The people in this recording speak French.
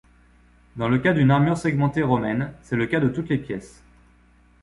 Dans le cas d’une armure segmentée romaine, c'est le cas de toutes les pièces.